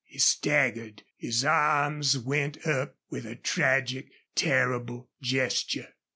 He staggered. His arms went up with a tragic, terrible gesture.